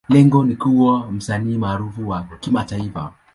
Lengo ni kuwa msanii maarufu wa kimataifa.